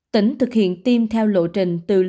tỉnh thực hiện tiêm theo lộ trình